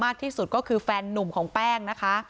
มากที่สุดก็คือแฟนนุ่มของแป้ง